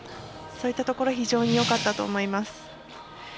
そういったところ非常によかったと思います。